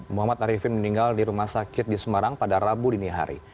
muhammad arifin meninggal di rumah sakit di semarang pada rabu dini hari